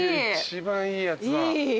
一番いいやつだ。